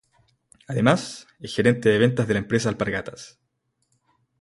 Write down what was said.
Además, es gerente de ventas de la empresa Alpargatas.